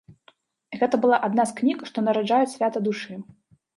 Гэта была адна з кніг, што нараджаюць свята душы.